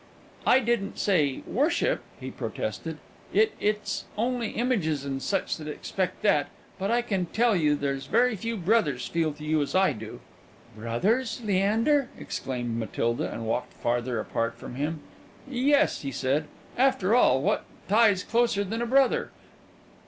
"I didn't say worship," he protested; "it it's only images and such that expect that. But I can tell you there's very few brothers feel to you as I feel." "Brothers, Leander!" exclaimed Matilda, and walked farther apart from him. "Yes," he said. "After all, what tie's closer than a brother?